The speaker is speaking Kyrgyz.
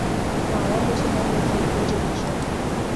А алар болсо дайыма кийинкиге жылдырышат.